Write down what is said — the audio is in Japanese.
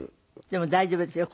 でも大丈夫ですよ。